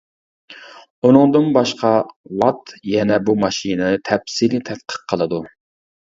ئۇنىڭدىن باشقا، ۋات يەنە بۇ ماشىنىنى تەپسىلىي تەتقىق قىلىدۇ.